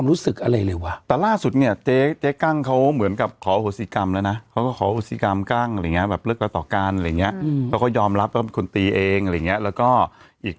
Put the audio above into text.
เราเดินมาคุยกันดี